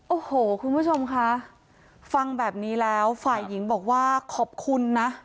โอ้โหคุณผู้ชมคะฟังแบบนี้แล้วฝ่ายหญิงบอกว่าขอบคุณนะ